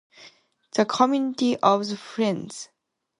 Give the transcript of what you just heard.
The community of the Friends.